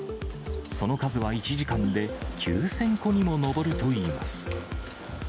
その数は１時間で９０００個にも上るといいます。